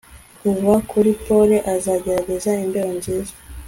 Kuva kuri pole azagerageza imbeho nziza